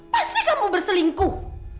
pasti kamu berselingkuh